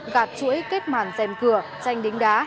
gạt chuỗi kết mản dèm cửa tranh đính đá